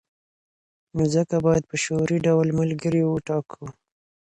نو ځکه باید په شعوري ډول ملګري وټاکو.